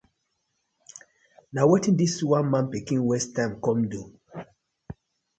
Na dis one man pikin waste time kom do?